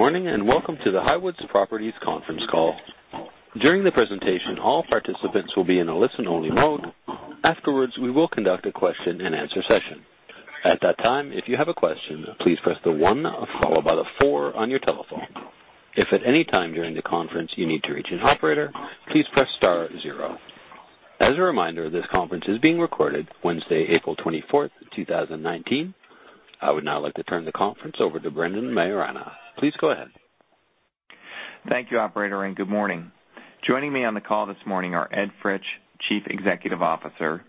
Good morning, and welcome to the Highwoods Properties conference call. During the presentation, all participants will be in a listen-only mode. Afterwards, we will conduct a question and answer session. At that time, if you have a question, please press the one followed by the four on your telephone. If at any time during the conference you need to reach an operator, please press star zero. As a reminder, this conference is being recorded Wednesday, April 24th, 2019. I would now like to turn the conference over to Brendan Maiorana. Please go ahead. Thank you operator, and good morning. Joining me on the call this morning are Ed Fritsch, Chief Executive Officer,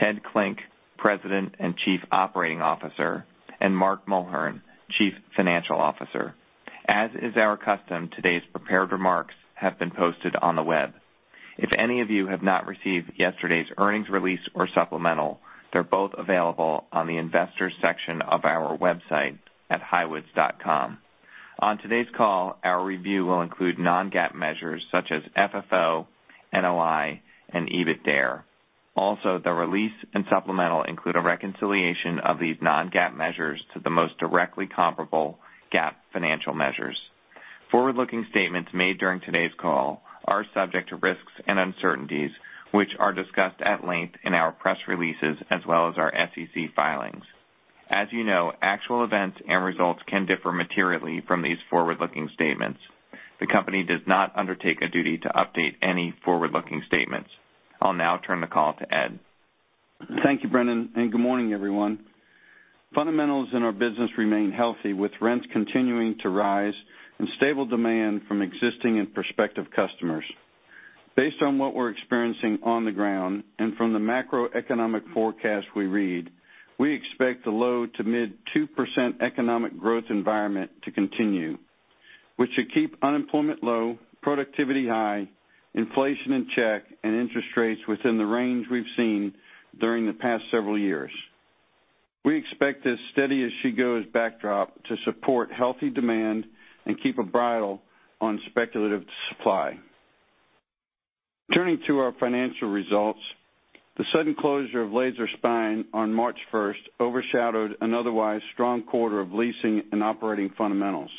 Ted Klinck, President and Chief Operating Officer, and Mark Mulhern, Chief Financial Officer. As is our custom, today's prepared remarks have been posted on the web. If any of you have not received yesterday's earnings release or supplemental, they are both available on the investors section of our website at highwoods.com. On today's call, our review will include non-GAAP measures such as FFO, NOI, and EBITDAre. Also, the release and supplemental include a reconciliation of these non-GAAP measures to the most directly comparable GAAP financial measures. Forward-looking statements made during today's call are subject to risks and uncertainties, which are discussed at length in our press releases as well as our SEC filings. As you know, actual events and results can differ materially from these forward-looking statements. The company does not undertake a duty to update any forward-looking statements. I will now turn the call to Ed. Thank you, Brendan, and good morning, everyone. Fundamentals in our business remain healthy, with rents continuing to rise and stable demand from existing and prospective customers. Based on what we are experiencing on the ground and from the macroeconomic forecast we read, we expect the low to mid 2% economic growth environment to continue, which should keep unemployment low, productivity high, inflation in check, and interest rates within the range we have seen during the past several years. We expect this steady-as-she-goes backdrop to support healthy demand and keep a bridle on speculative supply. Turning to our financial results, the sudden closure of Laser Spine on March 1st overshadowed an otherwise strong quarter of leasing and operating fundamentals.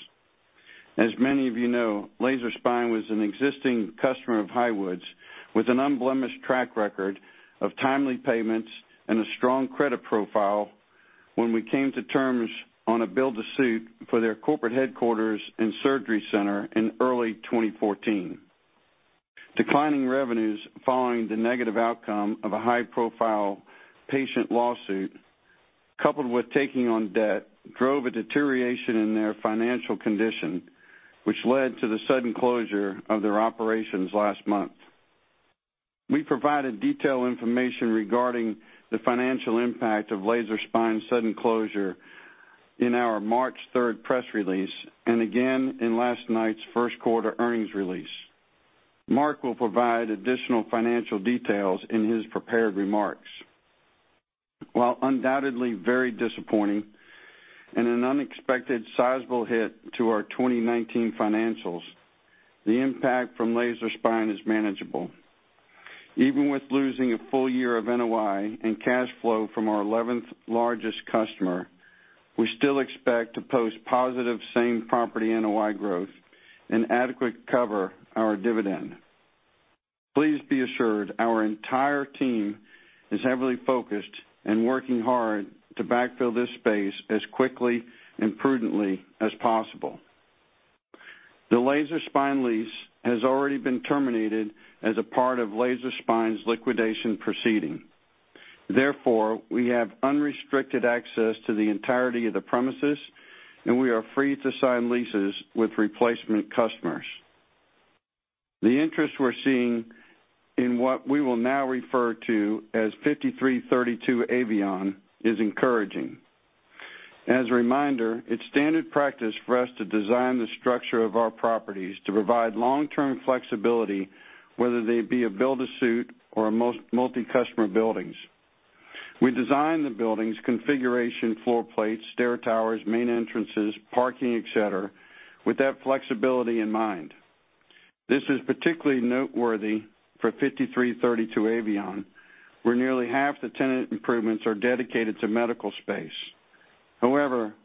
As many of you know, Laser Spine was an existing customer of Highwoods with an unblemished track record of timely payments and a strong credit profile when we came to terms on a build to suit for their corporate headquarters and surgery center in early 2014. Declining revenues following the negative outcome of a high-profile patient lawsuit, coupled with taking on debt, drove a deterioration in their financial condition, which led to the sudden closure of their operations last month. We provided detailed information regarding the financial impact of Laser Spine's sudden closure in our March 3rd press release and again in last night's first quarter earnings release. Mark will provide additional financial details in his prepared remarks. While undoubtedly very disappointing and an unexpected sizable hit to our 2019 financials, the impact from Laser Spine is manageable. Even with losing a full year of NOI and cash flow from our 11th largest customer, we still expect to post positive same-property NOI growth and adequate cover our dividend. Please be assured our entire team is heavily focused and working hard to backfill this space as quickly and prudently as possible. The Laser Spine lease has already been terminated as a part of Laser Spine's liquidation proceeding. We have unrestricted access to the entirety of the premises, and we are free to sign leases with replacement customers. The interest we're seeing in what we will now refer to as 5332 Avion is encouraging. As a reminder, it's standard practice for us to design the structure of our properties to provide long-term flexibility, whether they be a build to suit or multi-customer buildings. We design the building's configuration, floor plates, stair towers, main entrances, parking, et cetera, with that flexibility in mind. This is particularly noteworthy for 5332 Avion, where nearly half the tenant improvements are dedicated to medical space.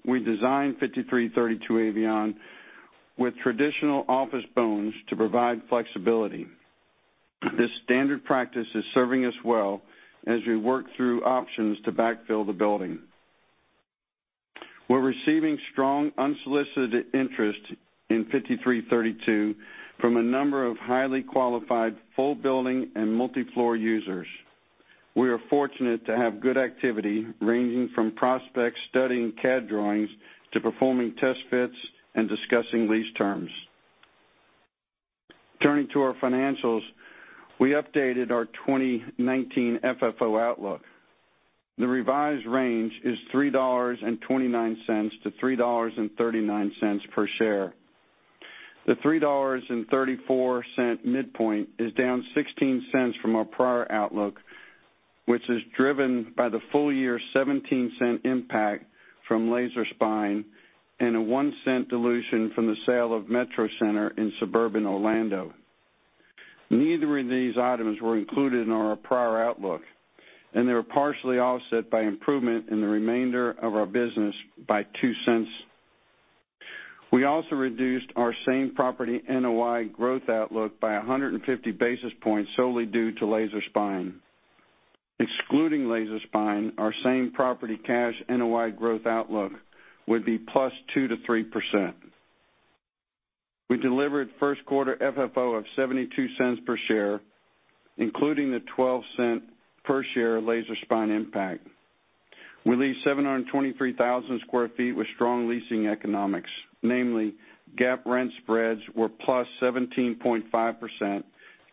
We designed 5332 Avion with traditional office bones to provide flexibility. This standard practice is serving us well as we work through options to backfill the building. We're receiving strong unsolicited interest in 5332 from a number of highly qualified full building and multi-floor users. We are fortunate to have good activity, ranging from prospects studying CAD drawings to performing test fits and discussing lease terms. Turning to our financials, we updated our 2019 FFO outlook. The revised range is $3.29-$3.39 per share. The $3.34 midpoint is down $0.16 from our prior outlook, which is driven by the full-year $0.17 impact from Laser Spine and a $0.01 dilution from the sale of Metro Center in suburban Orlando. Neither of these items were included in our prior outlook, and they were partially offset by improvement in the remainder of our business by $0.02. We also reduced our same-property NOI growth outlook by 150 basis points solely due to Laser Spine. Excluding Laser Spine, our same-property cash NOI growth outlook would be +2%-3%. We delivered first quarter FFO of $0.72 per share, including the $0.12 per share Laser Spine impact. We leased 723,000 square feet with strong leasing economics. Namely, GAAP rent spreads were +17.5%,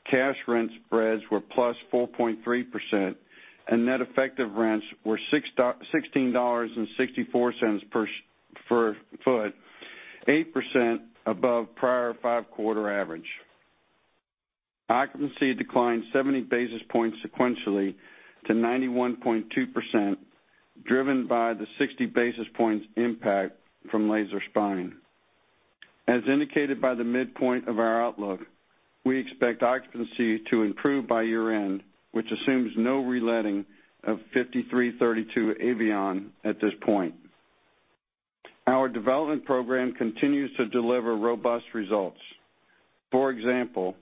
cash rent spreads were +4.3%, and net effective rents were $16.64 per foot, 8% above prior five quarter average. Occupancy declined 70 basis points sequentially to 91.2%, driven by the 60 basis points impact from Laser Spine. As indicated by the midpoint of our outlook, we expect occupancy to improve by year-end, which assumes no reletting of 5332 Avion at this point. Our development program continues to deliver robust results. For example,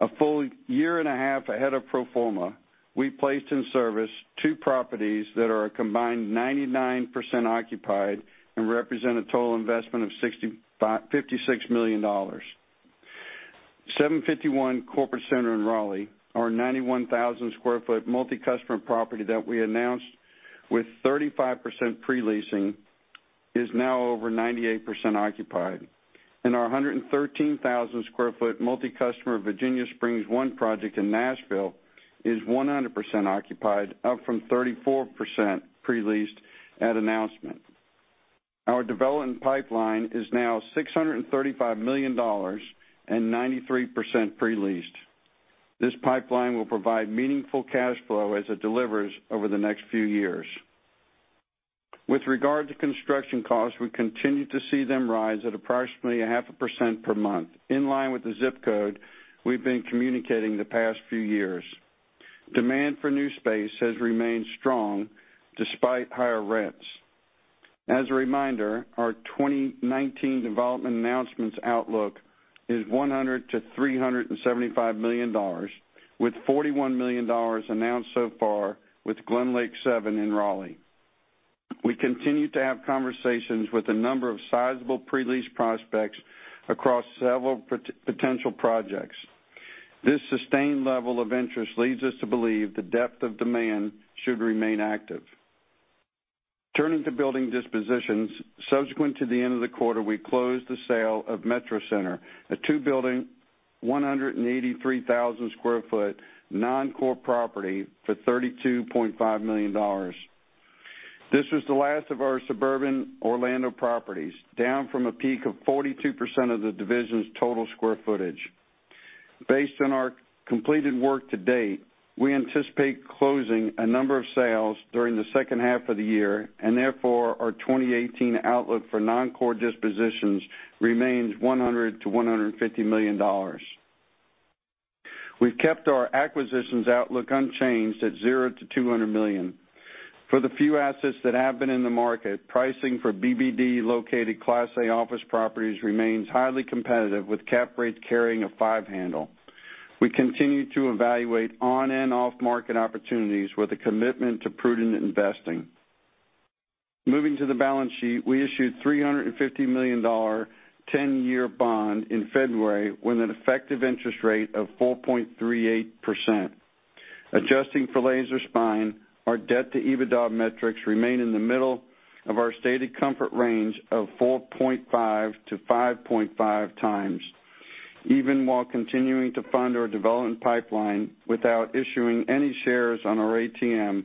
a full year and a half ahead of pro forma, we placed in service two properties that are a combined 99% occupied and represent a total investment of $56 million. 751 Corporate Center in Raleigh, our 91,000 square foot multi-customer property that we announced with 35% pre-leasing, is now over 98% occupied. Our 113,000 square foot multi-customer Virginia Springs I project in Nashville is 100% occupied, up from 34% pre-leased at announcement. Our development pipeline is now $635 million and 93% pre-leased. This pipeline will provide meaningful cash flow as it delivers over the next few years. With regard to construction costs, we continue to see them rise at approximately half a percent per month, in line with the zip code we've been communicating the past few years. Demand for new space has remained strong despite higher rents. As a reminder, our 2019 development announcements outlook is $100 million-$375 million, with $41 million announced so far with GlenLake Seven in Raleigh. We continue to have conversations with a number of sizable pre-lease prospects across several potential projects. This sustained level of interest leads us to believe the depth of demand should remain active. Turning to building dispositions, subsequent to the end of the quarter, we closed the sale of Metro Center, a two-building, 183,000 square foot non-core property for $32.5 million. This was the last of our suburban Orlando properties, down from a peak of 42% of the division's total square footage. Based on our completed work to date, we anticipate closing a number of sales during the second half of the year, and therefore, our 2018 outlook for non-core dispositions remains $100 million-$150 million. We've kept our acquisitions outlook unchanged at $0-$200 million. For the few assets that have been in the market, pricing for BBD-located Class A office properties remains highly competitive with cap rates carrying a five handle. We continue to evaluate on and off market opportunities with a commitment to prudent investing. Moving to the balance sheet, we issued $350 million 10-year bond in February with an effective interest rate of 4.38%. Adjusting for Laser Spine, our debt to EBITDA metrics remain in the middle of our stated comfort range of 4.5 to 5.5 times, even while continuing to fund our development pipeline without issuing any shares on our ATM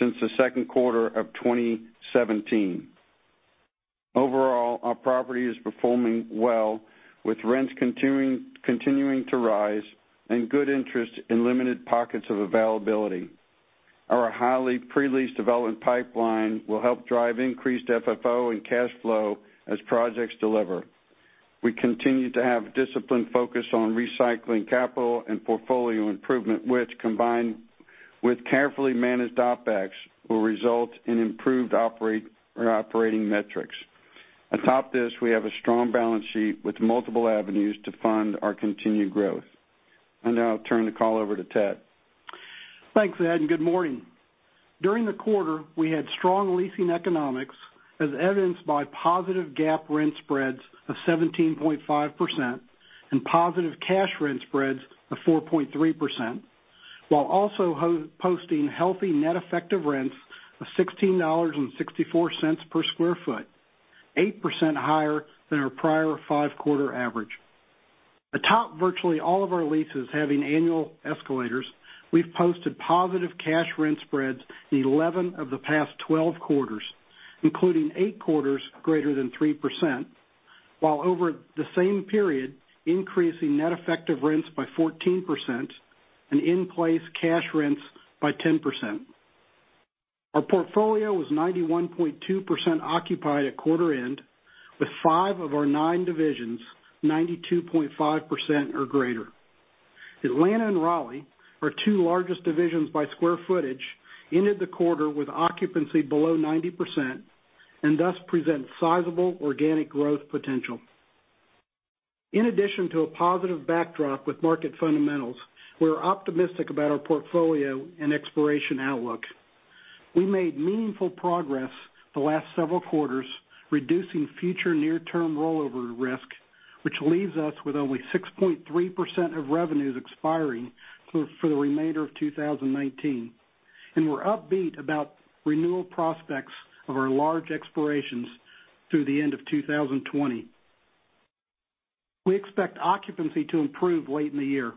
since the second quarter of 2017. Overall, our property is performing well, with rents continuing to rise and good interest in limited pockets of availability. Our highly pre-leased development pipeline will help drive increased FFO and cash flow as projects deliver. We continue to have a disciplined focus on recycling capital and portfolio improvement, which combined with carefully managed OpEx, will result in improved operating metrics. Atop this, we have a strong balance sheet with multiple avenues to fund our continued growth. I'll now turn the call over to Ted. Thanks, Ed, and good morning. During the quarter, we had strong leasing economics as evidenced by positive GAAP rent spreads of 17.5% and positive cash rent spreads of 4.3%, while also posting healthy net effective rents of $16.64 per square foot, 8% higher than our prior five-quarter average. Atop virtually all of our leases having annual escalators, we've posted positive cash rent spreads in 11 of the past 12 quarters, including eight quarters greater than 3%, while over the same period, increasing net effective rents by 14% and in-place cash rents by 10%. Our portfolio was 91.2% occupied at quarter end, with five of our nine divisions 92.5% or greater. Atlanta and Raleigh, our two largest divisions by square footage, ended the quarter with occupancy below 90%. Thus present sizable organic growth potential. In addition to a positive backdrop with market fundamentals, we're optimistic about our portfolio and exploration outlook. We made meaningful progress the last several quarters, reducing future near-term rollover risk, which leaves us with only 6.3% of revenues expiring for the remainder of 2019. We're upbeat about renewal prospects of our large expirations through the end of 2020. We expect occupancy to improve late in the year.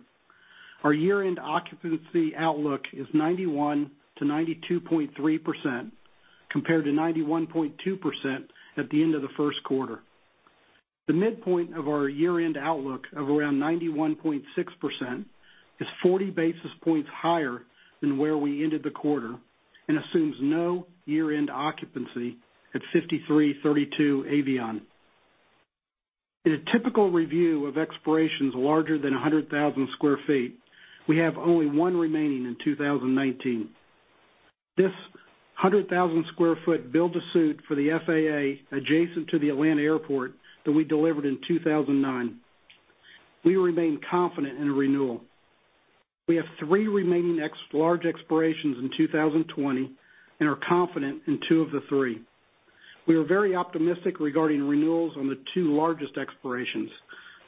Our year-end occupancy outlook is 91%-92.3%, compared to 91.2% at the end of the first quarter. The midpoint of our year-end outlook of around 91.6% is 40 basis points higher than where we ended the quarter and assumes no year-end occupancy at 5332 Avion. In a typical review of expirations larger than 100,000 square feet, we have only one remaining in 2019. This 100,000 square foot build to suit for the FAA adjacent to the Atlanta Airport that we delivered in 2009. We remain confident in a renewal. We have three remaining large expirations in 2020 and are confident in two of the three. We are very optimistic regarding renewals on the two largest expirations,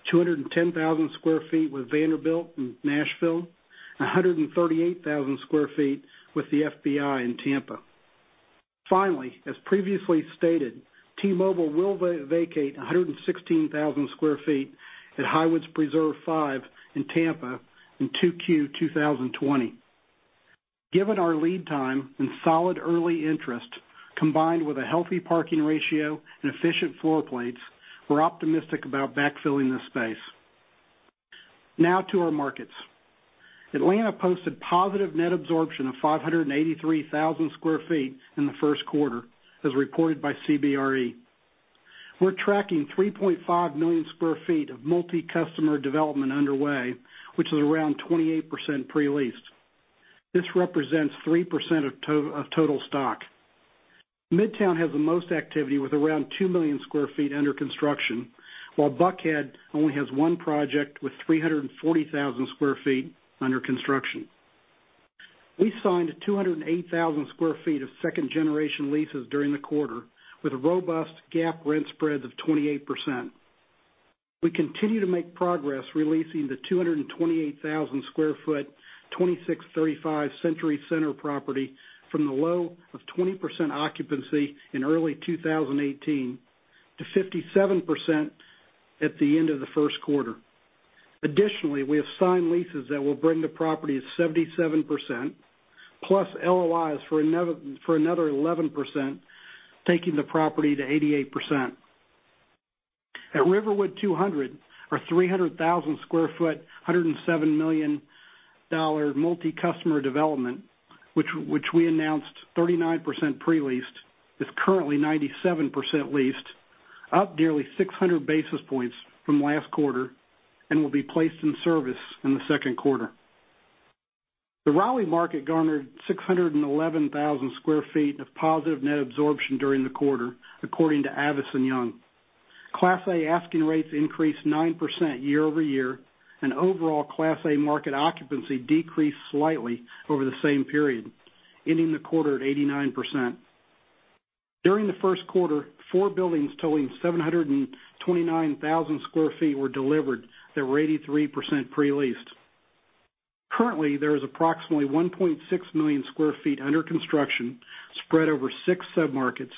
210,000 square feet with Vanderbilt in Nashville and 138,000 square feet with the FBI in Tampa. Finally, as previously stated, T-Mobile will vacate 116,000 square feet at Highwoods Preserve V in Tampa in 2Q 2020. Given our lead time and solid early interest, combined with a healthy parking ratio and efficient floor plates, we're optimistic about backfilling this space. Now to our markets. Atlanta posted positive net absorption of 583,000 square feet in the first quarter, as reported by CBRE. We're tracking 3.5 million square feet of multi-customer development underway, which is around 28% pre-leased. This represents 3% of total stock. Midtown has the most activity with around 2 million square feet under construction, while Buckhead only has one project with 340,000 square feet under construction. We signed 208,000 square feet of second-generation leases during the quarter with a robust GAAP rent spread of 28%. We continue to make progress re-leasing the 228,000 square foot, 2635 Century Center property from the low of 20% occupancy in early 2018 to 57% at the end of the first quarter. Additionally, we have signed leases that will bring the property to 77%, plus LOIs for another 11%, taking the property to 88%. At Riverwood 200, our 300,000 square foot, $107 million multi-customer development, which we announced 39% pre-leased, is currently 97% leased, up nearly 600 basis points from last quarter, and will be placed in service in the second quarter. The Raleigh market garnered 611,000 square feet of positive net absorption during the quarter, according to Avison Young. Class A asking rates increased 9% year-over-year, and overall Class A market occupancy decreased slightly over the same period, ending the quarter at 89%. During the first quarter, four buildings totaling 729,000 square feet were delivered that were 83% pre-leased. Currently, there is approximately 1.6 million square feet under construction, spread over six submarkets,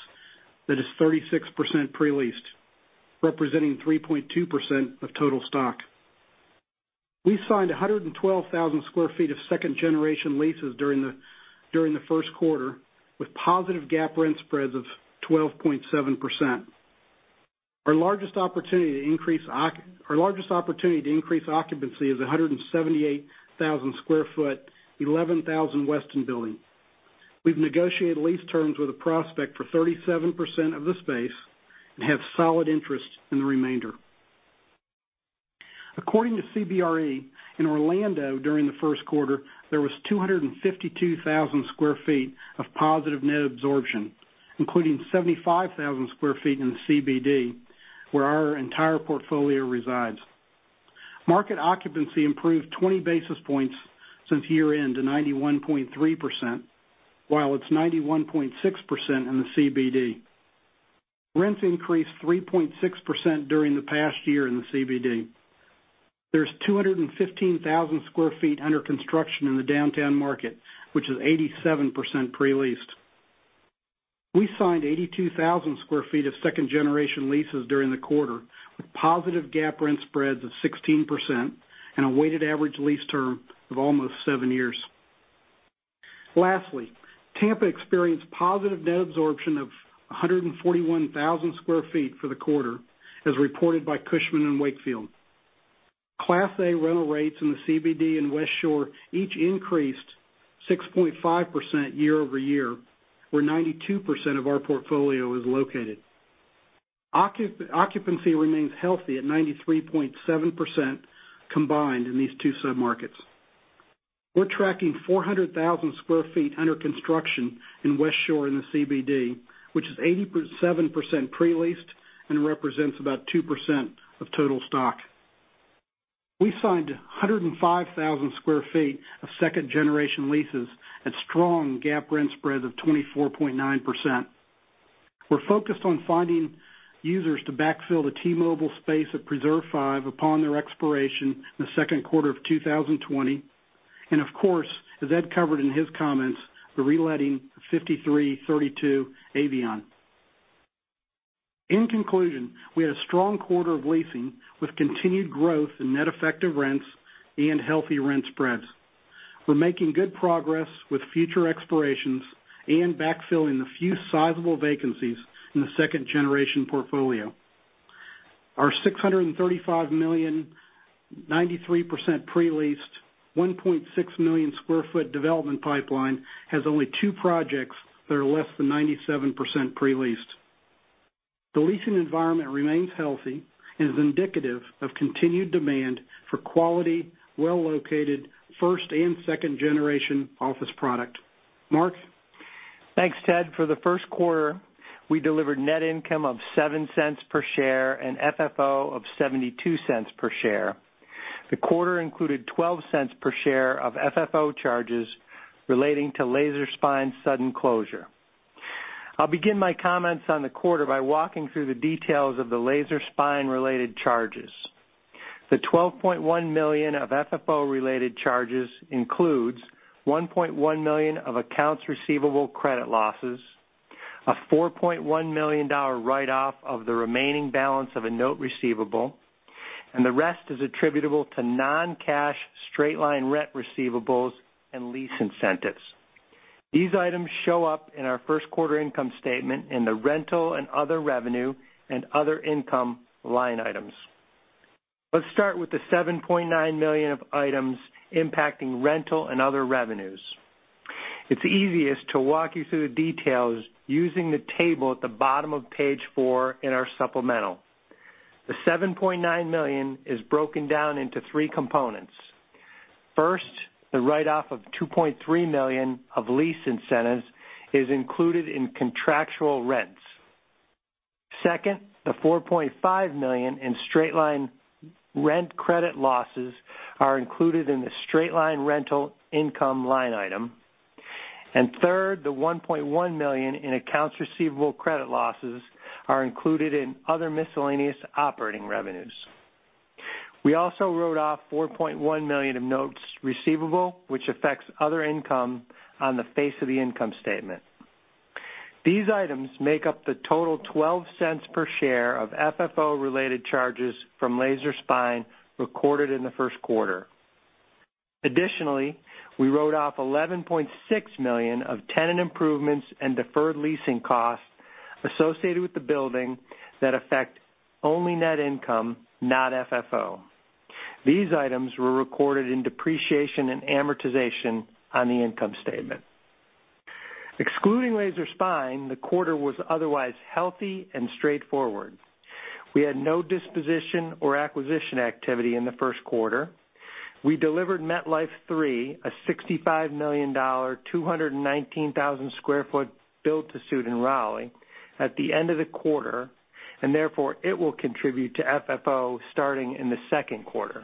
that is 36% pre-leased, representing 3.2% of total stock. We signed 112,000 square feet of second-generation leases during the first quarter, with positive GAAP rent spreads of 12.7%. Our largest opportunity to increase occupancy is 178,000 square foot, 1100 Weston building. We've negotiated lease terms with a prospect for 37% of the space and have solid interest in the remainder. According to CBRE, in Orlando during the first quarter, there was 252,000 square feet of positive net absorption, including 75,000 square feet in the CBD, where our entire portfolio resides. Market occupancy improved 20 basis points since year-end to 91.3%, while it's 91.6% in the CBD. Rents increased 3.6% during the past year in the CBD. There's 215,000 square feet under construction in the downtown market, which is 87% pre-leased. We signed 82,000 square feet of second-generation leases during the quarter, with positive GAAP rent spreads of 16% and a weighted average lease term of almost seven years. Lastly, Tampa experienced positive net absorption of 141,000 square feet for the quarter, as reported by Cushman & Wakefield. Class A rental rates in the CBD and Westshore each increased 6.5% year-over-year, where 92% of our portfolio is located. Occupancy remains healthy at 93.7% combined in these two submarkets. We're tracking 400,000 square feet under construction in Westshore in the CBD, which is 87% pre-leased and represents about 2% of total stock. We signed 105,000 square feet of second-generation leases at strong GAAP rent spread of 24.9%. We're focused on finding users to backfill the T-Mobile space at Preserve 5 upon their expiration in the second quarter of 2020. Of course, as Ed covered in his comments, the reletting of 5332 Avion. In conclusion, we had a strong quarter of leasing with continued growth in net effective rents and healthy rent spreads. We're making good progress with future expirations and backfilling the few sizable vacancies in the second-generation portfolio. Our $635 million, 93% pre-leased, 1.6 million square foot development pipeline has only two projects that are less than 97% pre-leased. The leasing environment remains healthy and is indicative of continued demand for quality, well-located, first and second generation office product. Mark? Thanks, Ted. For the first quarter, we delivered net income of $0.07 per share and FFO of $0.72 per share. The quarter included $0.12 per share of FFO charges relating to Laser Spine's sudden closure. I'll begin my comments on the quarter by walking through the details of the Laser Spine-related charges. The $12.1 million of FFO-related charges includes $1.1 million of accounts receivable credit losses, a $4.1 million write-off of the remaining balance of a note receivable, and the rest is attributable to non-cash straight-line rent receivables and lease incentives. These items show up in our first quarter income statement in the rental and other revenue and other income line items. Let's start with the $7.9 million of items impacting rental and other revenues. It's easiest to walk you through the details using the table at the bottom of page four in our supplemental. The $7.9 million is broken down into three components. First, the write-off of $2.3 million of lease incentives is included in contractual rents. Second, the $4.5 million in straight-line rent credit losses are included in the straight-line rental income line item. Third, the $1.1 million in accounts receivable credit losses are included in other miscellaneous operating revenues. We also wrote off $4.1 million of notes receivable, which affects other income on the face of the income statement. These items make up the total $0.12 per share of FFO-related charges from Laser Spine recorded in the first quarter. Additionally, we wrote off $11.6 million of tenant improvements and deferred leasing costs associated with the building that affect only net income, not FFO. These items were recorded in depreciation and amortization on the income statement. Excluding Laser Spine, the quarter was otherwise healthy and straightforward. We had no disposition or acquisition activity in the first quarter. We delivered MetLife III, a $65 million, 219,000 sq ft build to suit in Raleigh, at the end of the quarter, therefore, it will contribute to FFO starting in the second quarter.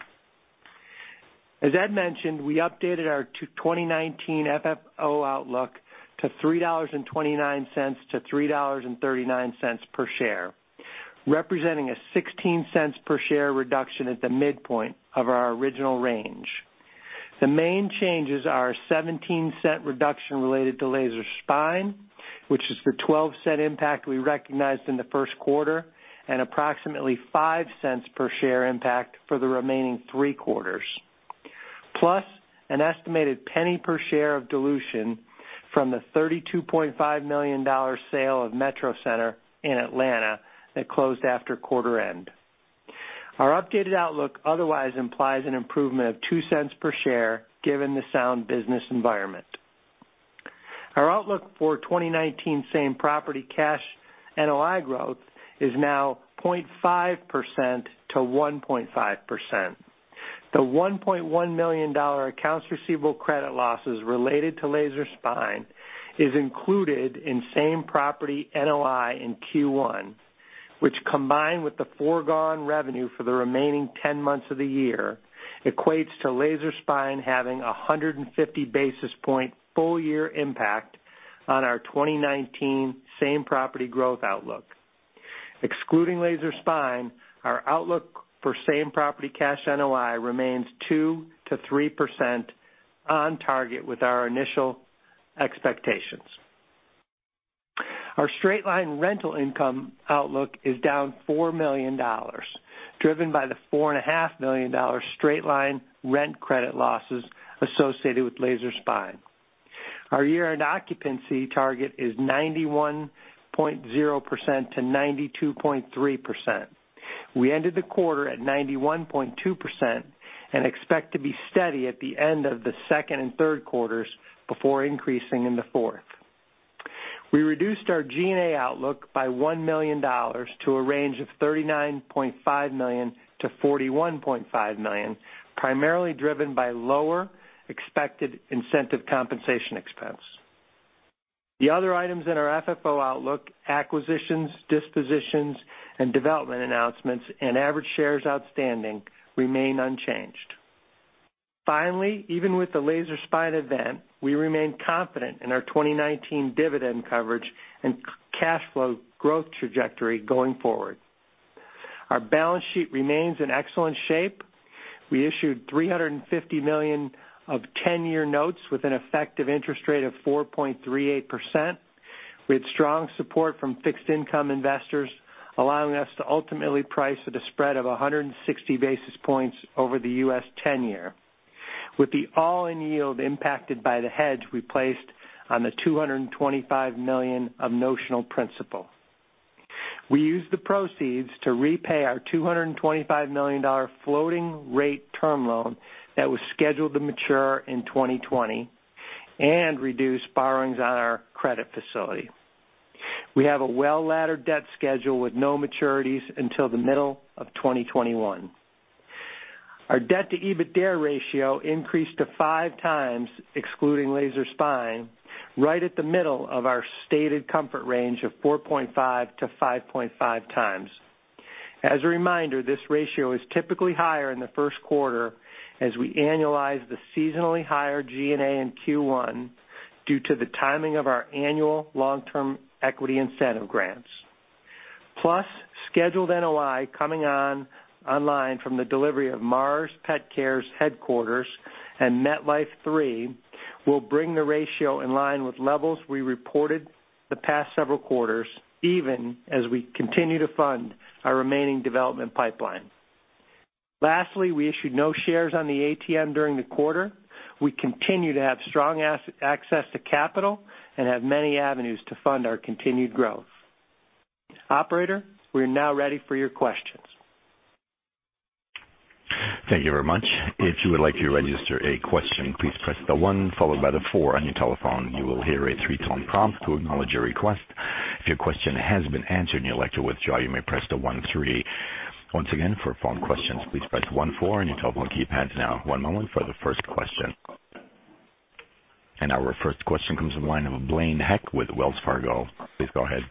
As Ed mentioned, we updated our 2019 FFO outlook to $3.29-$3.39 per share, representing a $0.16 per share reduction at the midpoint of our original range. The main changes are a $0.17 reduction related to Laser Spine, which is the $0.12 impact we recognized in the first quarter, and approximately $0.05 per share impact for the remaining three quarters. An estimated $0.01 per share of dilution from the $32.5 million sale of Metro Center in Atlanta that closed after quarter end. Our updated outlook otherwise implies an improvement of $0.02 per share given the sound business environment. Our outlook for 2019 same-property cash NOI growth is now 0.5%-1.5%. The $1.1 million accounts receivable credit losses related to Laser Spine is included in same-property NOI in Q1, which combined with the foregone revenue for the remaining 10 months of the year, equates to Laser Spine having 150 basis point full-year impact on our 2019 same-property growth outlook. Excluding Laser Spine, our outlook for same-property cash NOI remains 2%-3% on target with our initial expectations. Our straight-line rental income outlook is down $4 million, driven by the $4.5 million straight-line rent credit losses associated with Laser Spine. Our year-end occupancy target is 91.0%-92.3%. We ended the quarter at 91.2% and expect to be steady at the end of the second and third quarters before increasing in the fourth. We reduced our G&A outlook by $1 million to a range of $39.5 million to $41.5 million, primarily driven by lower expected incentive compensation expense. The other items in our FFO outlook, acquisitions, dispositions, and development announcements and average shares outstanding remain unchanged. Finally, even with the Laser Spine event, we remain confident in our 2019 dividend coverage and cash flow growth trajectory going forward. Our balance sheet remains in excellent shape. We issued $350 million of 10-year notes with an effective interest rate of 4.38%, with strong support from fixed income investors, allowing us to ultimately price at a spread of 160 basis points over the U.S. 10-year. With the all-in yield impacted by the hedge we placed on the $225 million of notional principal. We used the proceeds to repay our $225 million floating rate term loan that was scheduled to mature in 2020 and reduce borrowings on our credit facility. We have a well-laddered debt schedule with no maturities until the middle of 2021. Our debt to EBITDA ratio increased to 5 times, excluding Laser Spine, right at the middle of our stated comfort range of 4.5 to 5.5 times. As a reminder, this ratio is typically higher in the first quarter as we annualize the seasonally higher G&A in Q1 due to the timing of our annual long-term equity incentive grants. Plus, scheduled NOI coming online from the delivery of Mars Petcare's headquarters and MetLife III will bring the ratio in line with levels we reported the past several quarters, even as we continue to fund our remaining development pipeline. Lastly, we issued no shares on the ATM during the quarter. We continue to have strong access to capital and have many avenues to fund our continued growth. Operator, we're now ready for your questions. Thank you very much. If you would like to register a question, please press the one followed by the four on your telephone. You will hear a three-tone prompt to acknowledge your request. If your question has been answered and you'd like to withdraw, you may press the one three. Once again, for phone questions, please press one four on your telephone keypad now. One moment for the first question. And our first question comes from the line of Blaine Heck with Wells Fargo. Please go ahead.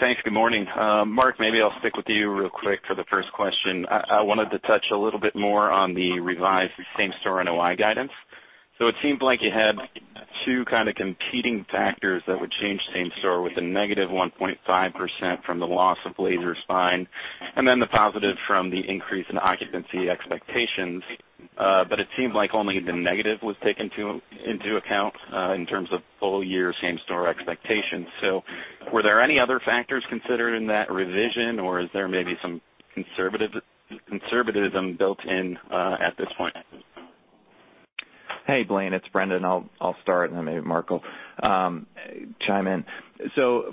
Thanks. Good morning. Mark, maybe I'll stick with you real quick for the first question. I wanted to touch a little bit more on the revised same-store NOI guidance. It seems like you had two kind of competing factors that would change same store with a -1.5% from the loss of Laser Spine Institute, and then the positive from the increase in occupancy expectations. It seems like only the negative was taken into account, in terms of full-year same-store expectations. Were there any other factors considered in that revision or is there maybe some conservatism built in at this point? Hey, Blaine, it's Brendan. I'll start and then maybe Mark will chime in.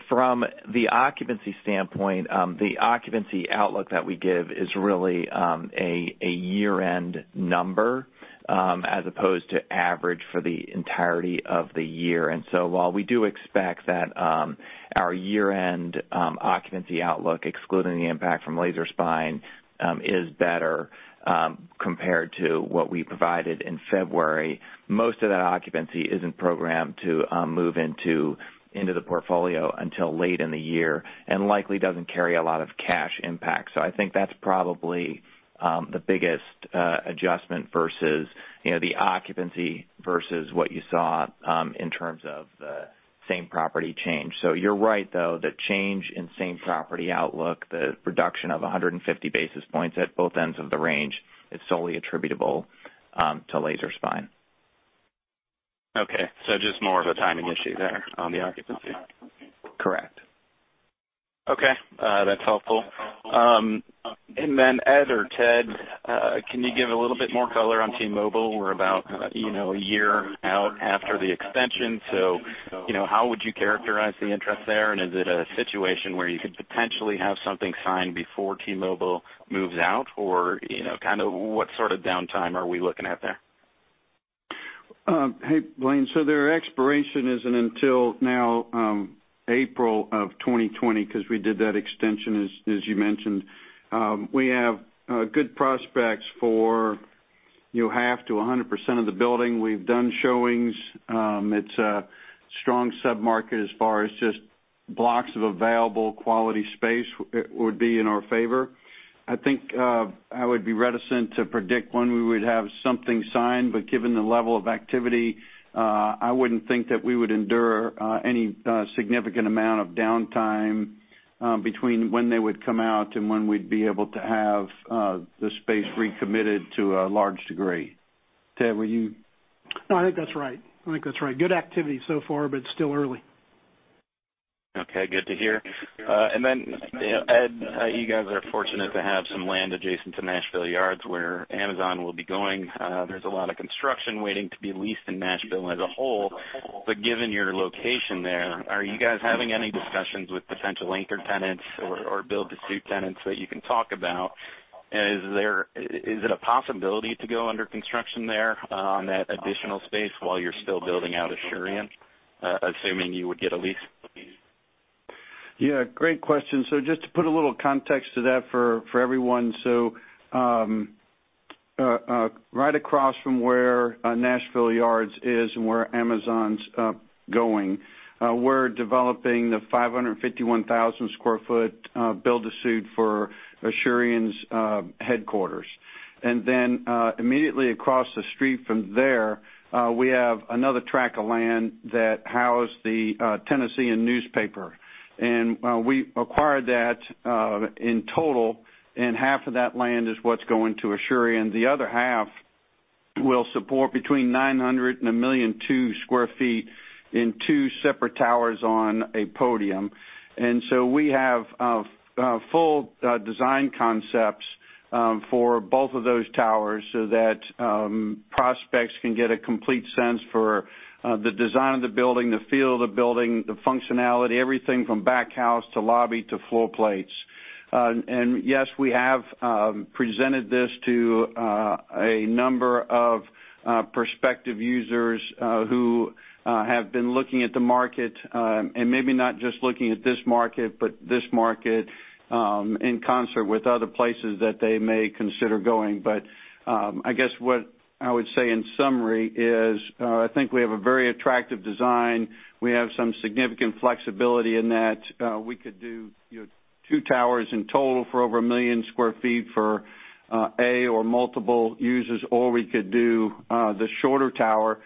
From the occupancy standpoint, the occupancy outlook that we give is really a year-end number, as opposed to average for the entirety of the year. While we do expect that our year-end occupancy outlook, excluding the impact from Laser Spine Institute, is better compared to what we provided in February, most of that occupancy isn't programmed to move into the portfolio until late in the year and likely doesn't carry a lot of cash impact. I think that's probably the biggest adjustment versus the occupancy versus what you saw in terms of the same property change. You're right, though, the change in same property outlook, the reduction of 150 basis points at both ends of the range is solely attributable to Laser Spine Institute. Okay, just more of a timing issue there on the occupancy. Correct. Okay. That's helpful. Ed or Ted, can you give a little bit more color on T-Mobile? We're about a year out after the extension. How would you characterize the interest there, and is it a situation where you could potentially have something signed before T-Mobile moves out, or what sort of downtime are we looking at there? Hey, Blaine. Their expiration isn't until now, April of 2020, because we did that extension, as you mentioned. We have good prospects for half to 100% of the building. We've done showings. It's a strong submarket as far as just blocks of available quality space would be in our favor. I think I would be reticent to predict when we would have something signed. Given the level of activity, I wouldn't think that we would endure any significant amount of downtime between when they would come out and when we'd be able to have the space recommitted to a large degree. Ted, will you? I think that's right. Good activity so far, it's still early. Good to hear. Ed, you guys are fortunate to have some land adjacent to Nashville Yards where Amazon will be going. There's a lot of construction waiting to be leased in Nashville as a whole. Given your location there, are you guys having any discussions with potential anchor tenants or build-to-suit tenants that you can talk about? Is it a possibility to go under construction there on that additional space while you're still building out Asurion, assuming you would get a lease? Great question. Just to put a little context to that for everyone. Right across from where Nashville Yards is and where Amazon's going, we're developing the 551,000 sq ft build-to-suit for Asurion's headquarters. Immediately across the street from there, we have another tract of land that housed The Tennessean newspaper. We acquired that in total, and half of that land is what's going to Asurion. The other half will support between 900 and 1,000,002 sq ft in two separate towers on a podium. We have full design concepts for both of those towers so that prospects can get a complete sense for the design of the building, the feel of the building, the functionality, everything from back house to lobby to floor plates. Yes, we have presented this to a number of prospective users who have been looking at the market. Maybe not just looking at this market, but this market in concert with other places that they may consider going. I guess what I would say in summary is, I think we have a very attractive design. We have some significant flexibility in that we could do two towers in total for over 1 million sq ft for A or multiple users, or we could do the shorter tower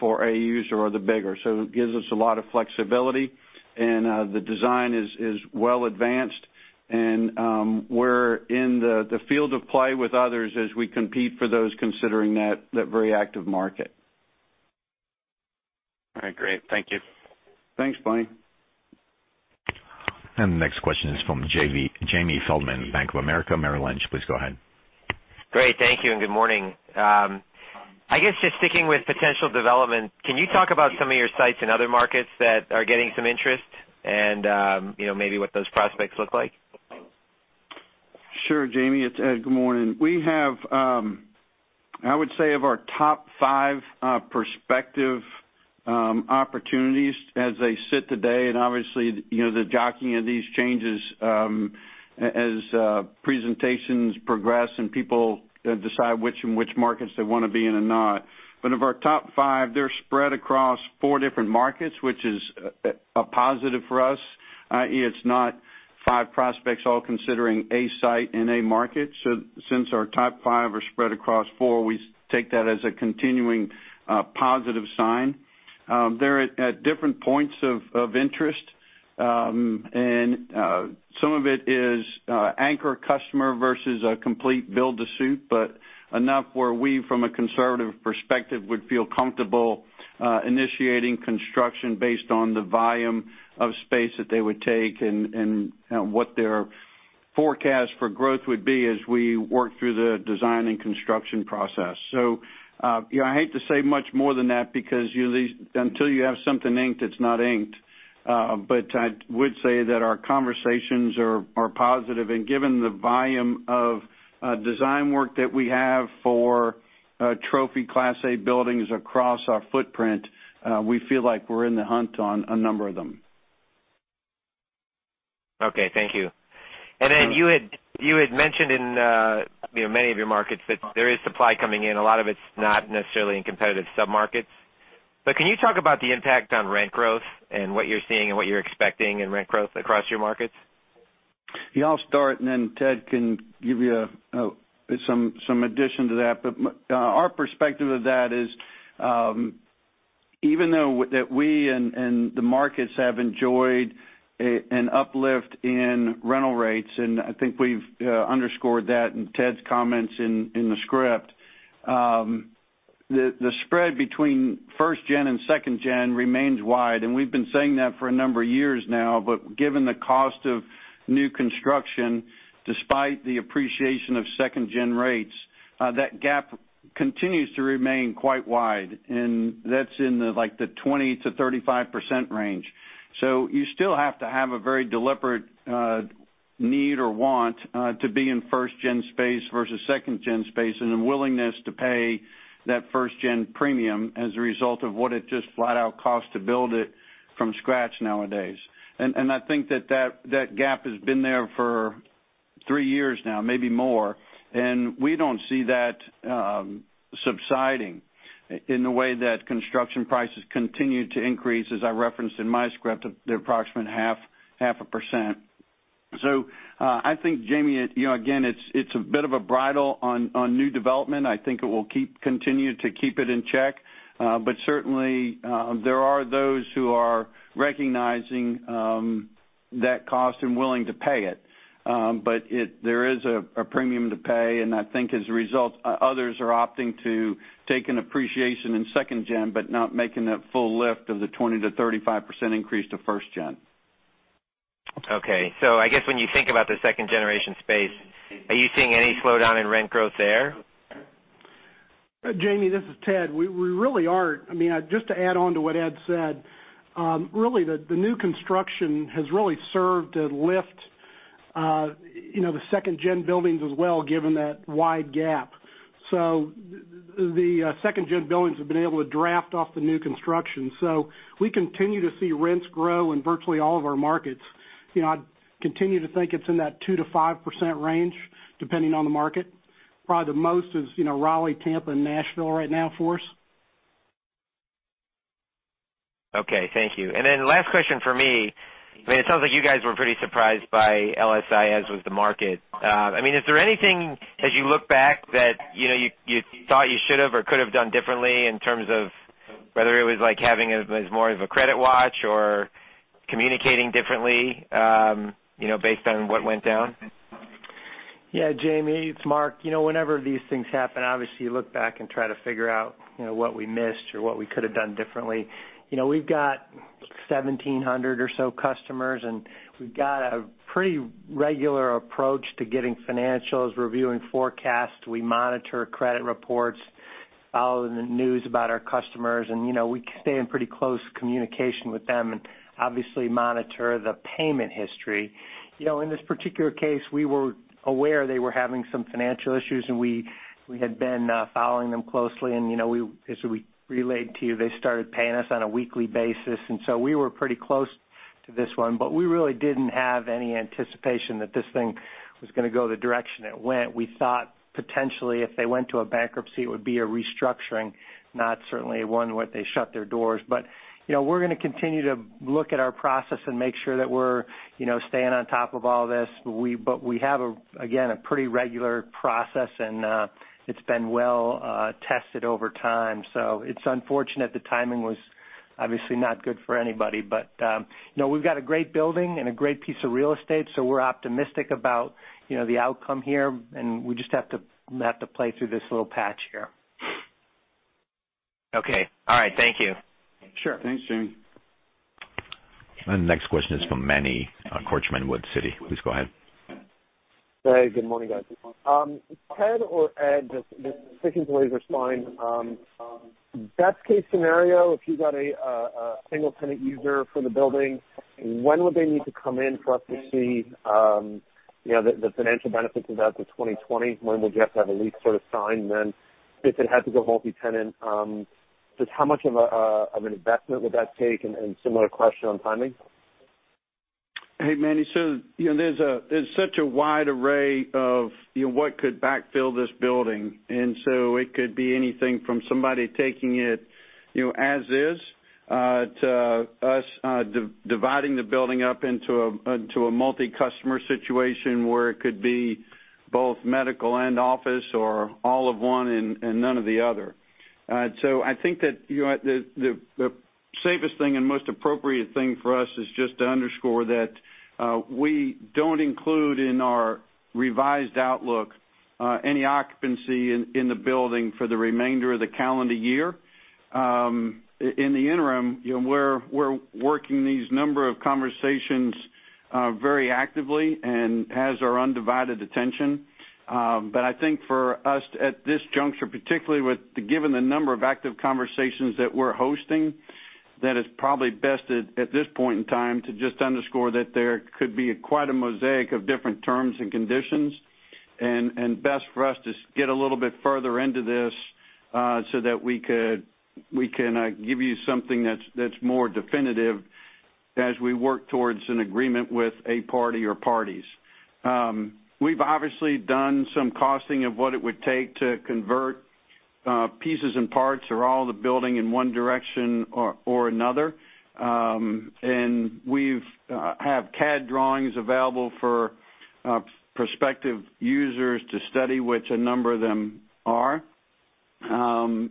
for a user or the bigger. It gives us a lot of flexibility, and the design is well advanced, and we're in the field of play with others as we compete for those considering that very active market. All right, great. Thank you. Thanks, Blaine. The next question is from Jamie Feldman, Bank of America Merrill Lynch. Please go ahead. Great. Thank you, and good morning. I guess just sticking with potential development, can you talk about some of your sites in other markets that are getting some interest and maybe what those prospects look like? Sure, Jamie. It's Ed. Good morning. We have, I would say of our top five prospective opportunities as they sit today, and obviously, the jockeying of these changes as presentations progress and people decide which markets they want to be in or not. Of our top five, they're spread across four different markets, which is a positive for us. It's not five prospects all considering a site in a market. Since our top five are spread across four, we take that as a continuing positive sign. They're at different points of interest. Some of it is anchor customer versus a complete build-to-suit, but enough where we, from a conservative perspective, would feel comfortable initiating construction based on the volume of space that they would take and what their forecast for growth would be as we work through the design and construction process. I hate to say much more than that because until you have something inked, it's not inked. I would say that our conversations are positive. Given the volume of design work that we have for trophy Class A buildings across our footprint, we feel like we're in the hunt on a number of them. Okay, thank you. You had mentioned in many of your markets that there is supply coming in. A lot of it's not necessarily in competitive sub-markets. Can you talk about the impact on rent growth and what you're seeing and what you're expecting in rent growth across your markets? Yeah, I'll start and then Ted can give you some addition to that. Our perspective of that is, even though that we and the markets have enjoyed an uplift in rental rates, I think we've underscored that in Ted's comments in the script. The spread between first gen and second gen remains wide, and we've been saying that for a number of years now. Given the cost of new construction, despite the appreciation of second gen rates, that gap continues to remain quite wide. That's in the 20%-35% range. You still have to have a very deliberate need or want to be in first gen space versus second gen space, and a willingness to pay that first gen premium as a result of what it just flat out costs to build it from scratch nowadays. I think that gap has been there for three years now, maybe more. We don't see that subsiding in the way that construction prices continue to increase, as I referenced in my script, at approximately 0.5%. I think, Jamie, again, it's a bit of a bridle on new development. I think it will continue to keep it in check. Certainly, there are those who are recognizing that cost and willing to pay it. There is a premium to pay, and I think as a result, others are opting to take an appreciation in second gen, but not making that full lift of the 20%-35% increase to first gen. Okay. I guess when you think about the second generation space, are you seeing any slowdown in rent growth there? Jamie, this is Ted. We really aren't. Just to add on to what Ed said, really, the new construction has really served to lift the second gen buildings as well, given that wide gap. The second gen buildings have been able to draft off the new construction. We continue to see rents grow in virtually all of our markets. I continue to think it's in that 2%-5% range, depending on the market. Probably the most is Raleigh, Tampa, and Nashville right now for us. Okay, thank you. Last question from me. It sounds like you guys were pretty surprised by LSI as was the market. Is there anything as you look back that you thought you should have or could have done differently in terms of whether it was like having it as more of a credit watch or communicating differently based on what went down? Yeah, Jamie, it's Mark. Whenever these things happen, obviously, you look back and try to figure out what we missed or what we could have done differently. We've got 1,700 or so customers. We've got a pretty regular approach to getting financials, reviewing forecasts. We monitor credit reports, follow the news about our customers, and we stay in pretty close communication with them and obviously monitor the payment history. In this particular case, we were aware they were having some financial issues, and we had been following them closely. As we relayed to you, they started paying us on a weekly basis. We were pretty close to this one, but we really didn't have any anticipation that this thing was going to go the direction it went. We thought potentially if they went to a bankruptcy, it would be a restructuring, not certainly one where they shut their doors. We're going to continue to look at our process and make sure that we're staying on top of all this. We have, again, a pretty regular process, and it's been well-tested over time. It's unfortunate the timing was obviously not good for anybody. We've got a great building and a great piece of real estate, so we're optimistic about the outcome here, and we just have to play through this little patch here. Okay. All right. Thank you. Sure. Thanks, Jamie. The next question is from Manny at Citi. Please go ahead. Hey, good morning, guys. Ted or Ed, just sticking to Laser Spine. Best case scenario, if you got a single-tenant user for the building, when would they need to come in for us to see the financial benefits of that to 2020? When would you have to have a lease sort of signed then if it had to go multi-tenant? How much of an investment would that take, similar question on timing. Hey, Manny. There's such a wide array of what could backfill this building. It could be anything from somebody taking it as is to us dividing the building up into a multi-customer situation where it could be both medical and office or all of one and none of the other. I think that the safest thing and most appropriate thing for us is just to underscore that we don't include in our revised outlook any occupancy in the building for the remainder of the calendar year. In the interim, we're working these number of conversations very actively and has our undivided attention. I think for us at this juncture, particularly given the number of active conversations that we're hosting, that it's probably best at this point in time to just underscore that there could be quite a mosaic of different terms and conditions, and best for us to get a little bit further into this, so that we can give you something that's more definitive as we work towards an agreement with a party or parties. We've obviously done some costing of what it would take to convert pieces and parts or all the building in one direction or another. We have CAD drawings available for prospective users to study, which a number of them are.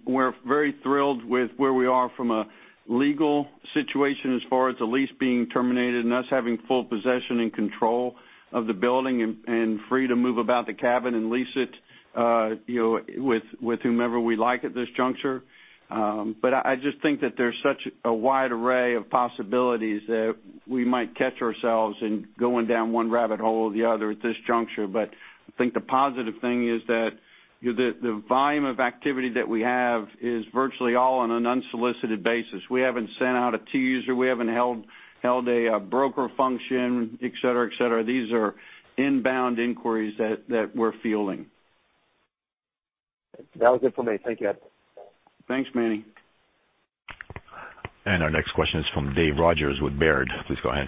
We're very thrilled with where we are from a legal situation as far as the lease being terminated and us having full possession and control of the building and free to move about the cabin and lease it with whomever we like at this juncture. I just think that there's such a wide array of possibilities that we might catch ourselves in going down one rabbit hole or the other at this juncture. I think the positive thing is that the volume of activity that we have is virtually all on an unsolicited basis. We haven't sent out a teaser. We haven't held a broker function, et cetera. These are inbound inquiries that we're fielding. That was it for me. Thank you, Ed. Thanks, Manny. Our next question is from Dave Rogers with Baird. Please go ahead.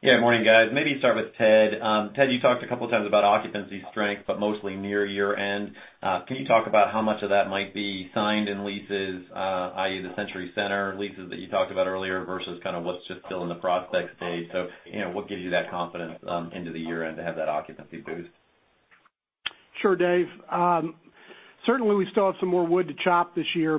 Yeah, good morning, guys. Maybe start with Ted. Ted, you talked a couple of times about occupancy strength, but mostly near year-end. Can you talk about how much of that might be signed in leases, i.e., the Century Center leases that you talked about earlier versus kind of what's just still in the prospects stage? What gives you that confidence into the year-end to have that occupancy boost? Sure, Dave. Certainly, we still have some more wood to chop this year,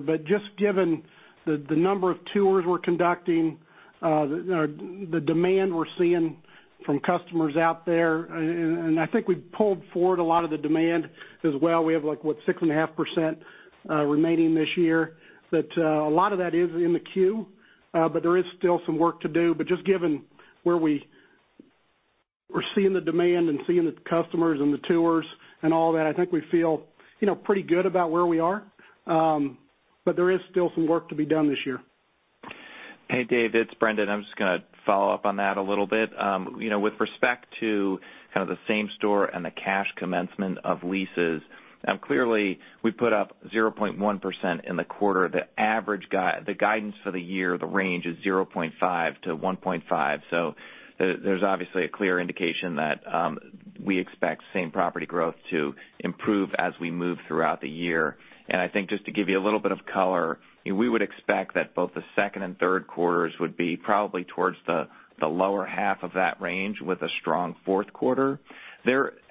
given the number of tours we're conducting, the demand we're seeing from customers out there, and I think we've pulled forward a lot of the demand as well. We have, what, 6.5% remaining this year. A lot of that is in the queue, but there is still some work to do. Just given where we're seeing the demand and seeing the customers and the tours and all that, I think we feel pretty good about where we are. But there is still some work to be done this year. Hey, Dave, it's Brendan. I'm just going to follow up on that a little bit. With respect to kind of the same store and the cash commencement of leases, clearly we put up 0.1% in the quarter. The guidance for the year, the range is 0.5%-1.5%. There's obviously a clear indication that we expect same property growth to improve as we move throughout the year. I think just to give you a little bit of color, we would expect that both the second and third quarters would be probably towards the lower half of that range with a strong fourth quarter.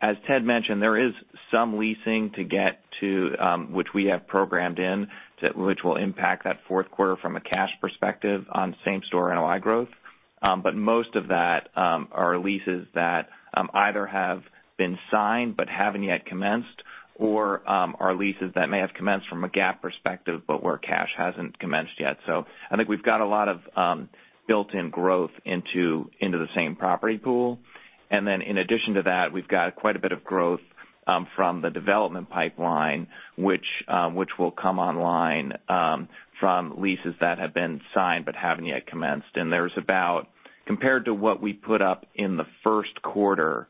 As Ted mentioned, there is some leasing to get to, which we have programmed in, which will impact that fourth quarter from a cash perspective on same store NOI growth. Most of that are leases that either have been signed but haven't yet commenced, or are leases that may have commenced from a GAAP perspective, but where cash hasn't commenced yet. I think we've got a lot of built-in growth into the same property pool. In addition to that, we've got quite a bit of growth from the development pipeline, which will come online from leases that have been signed but haven't yet commenced. Compared to what we put up in the first quarter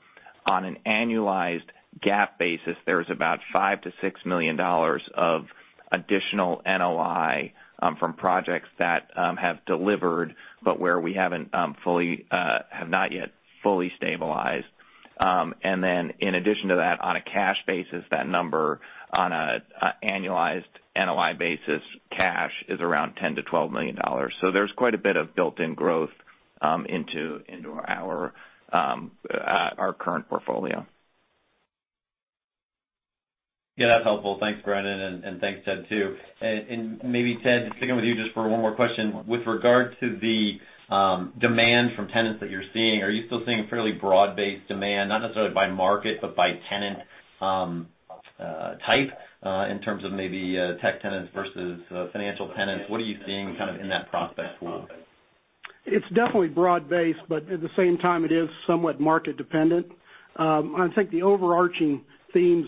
on an annualized GAAP basis, there's about $5 million-$6 million of additional NOI from projects that have delivered, but where we have not yet fully stabilized. In addition to that, on a cash basis, that number on an annualized NOI basis cash is around $10 million-$12 million. There's quite a bit of built-in growth into our current portfolio. Yeah, that's helpful. Thanks, Brendan, and thanks, Ted, too. Maybe Ted, sticking with you just for one more question. With regard to the demand from tenants that you're seeing, are you still seeing fairly broad-based demand, not necessarily by market, but by tenant type in terms of maybe tech tenants versus financial tenants? What are you seeing kind of in that prospect pool? It's definitely broad based, but at the same time, it is somewhat market dependent. I think the overarching themes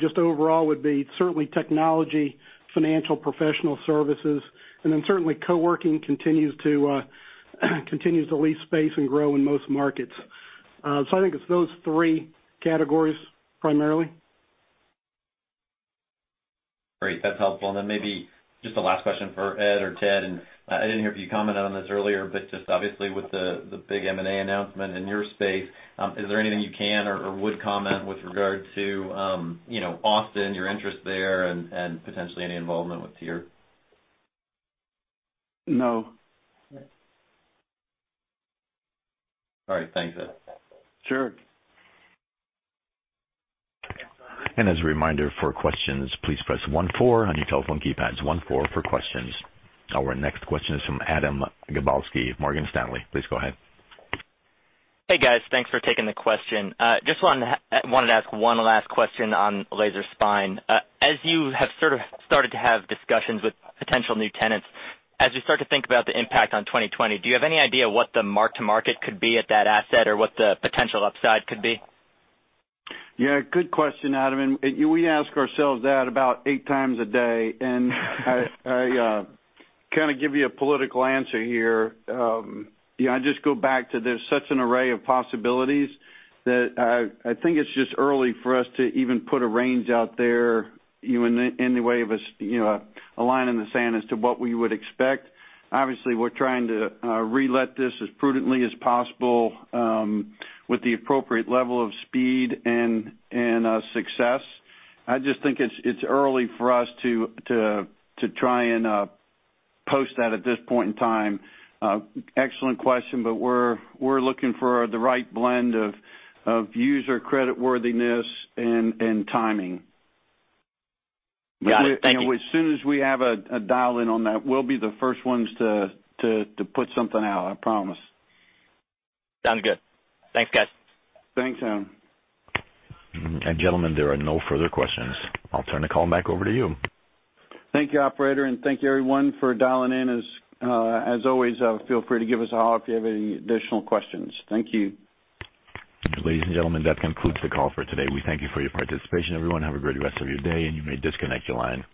just overall would be certainly technology, financial professional services, and then certainly coworking continues to lease space and grow in most markets. I think it's those three categories primarily. Great. That's helpful. Maybe just a last question for Ed or Ted, I didn't hear if you commented on this earlier, but just obviously with the big M&A announcement in your space, is there anything you can or would comment with regard to Austin, your interest there, and potentially any involvement with Tier? No. All right. Thanks, Ed. Sure. As a reminder, for questions, please press one four on your telephone keypads, one four for questions. Our next question is from Adam Gabalski, Morgan Stanley. Please go ahead. Hey, guys. Thanks for taking the question. Just wanted to ask one last question on Laser Spine. As you have sort of started to have discussions with potential new tenants, as you start to think about the impact on 2020, do you have any idea what the mark to market could be at that asset or what the potential upside could be? Good question, Adam, and we ask ourselves that about eight times a day. I kind of give you a political answer here. I just go back to there's such an array of possibilities that I think it's just early for us to even put a range out there in the way of a line in the sand as to what we would expect. Obviously, we're trying to relet this as prudently as possible with the appropriate level of speed and success. I just think it's early for us to try and post that at this point in time. Excellent question, we're looking for the right blend of user credit worthiness and timing. Got it. Thank you. As soon as we have a dial-in on that, we'll be the first ones to put something out, I promise. Sounds good. Thanks, guys. Thanks, Adam. Gentlemen, there are no further questions. I'll turn the call back over to you. Thank you, operator, and thank you everyone for dialing in. As always, feel free to give us a holler if you have any additional questions. Thank you. Ladies and gentlemen, that concludes the call for today. We thank you for your participation, everyone. Have a great rest of your day, and you may disconnect your line.